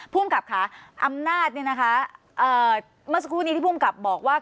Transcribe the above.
ภูมิกับค่ะอำนาจเนี่ยนะคะเมื่อสักครู่นี้ที่ภูมิกับบอกว่า